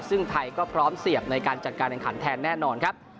ซึ่งไทยก็พร้อมเสียบในการจัดการแห่งขันแทนแน่นอนครับ